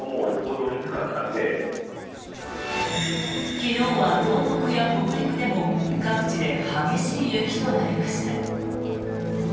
昨日は東北や北陸でも各地で激しい雪となりました。